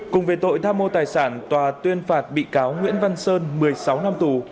cùng về tội tham mô tài sản tòa tuyên phạt bị cáo nguyễn văn sơn một mươi sáu năm tù